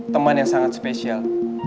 teman yang sangat spesial